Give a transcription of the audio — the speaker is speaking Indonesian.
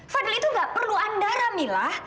fadil itu nggak perlu andara mila